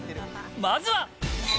まずは。